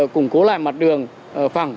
củng cố lại mặt đường phẳng